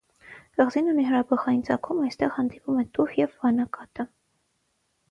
Կղզին ունի հրաբխային ծագում, այստեղ հանդիպում է տուֆ և վանակատը։